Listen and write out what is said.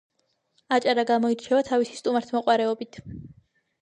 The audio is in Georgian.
აჭარა გამოირჩევა თავისი სტუმართმოყვარეობით